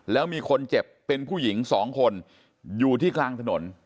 แล้วมีคนเจ็บเป็นผู้หญิงสองคนอยู่ที่กลางถนน